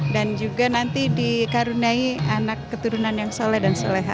dan juga nanti dikaruniai anak keturunan yang soleh dan seleha